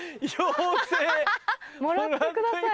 「もらって下さい」